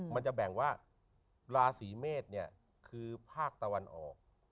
มันจะแบ่งว่าราศีเมษเนี่ยคือภาคตะวันออก